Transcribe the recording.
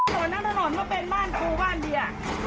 ถนนนั้นถนนว่าเป็นบ้านครูบ้านดีอ่ะ